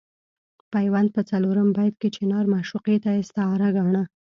پیوند په څلورم بیت کې چنار معشوقې ته استعاره ګاڼه.